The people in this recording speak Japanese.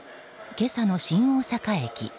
今朝の新大阪駅。